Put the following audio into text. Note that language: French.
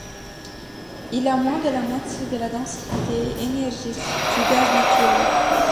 Il a moins de la moitié de la densité énergétique du gaz naturel.